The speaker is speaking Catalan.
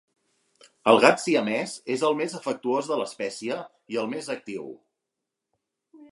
El gat siamès és el més afectuós de l'espècie i el més actiu.